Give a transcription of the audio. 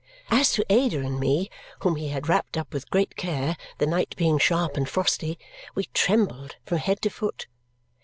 As to Ada and me, whom he had wrapped up with great care, the night being sharp and frosty, we trembled from head to foot.